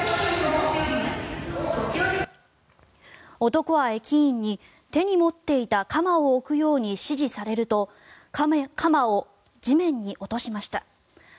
男は駅員に手に持っていた鎌を置くように指示されると鎌を地面に落としました。